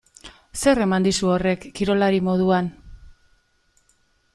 Zer eman dizu horrek kirolari moduan?